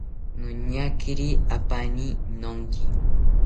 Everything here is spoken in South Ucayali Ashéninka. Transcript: Noñakiri apaani nonki